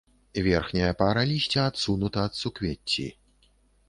Верхняя пара лісця адсунута ад суквецці.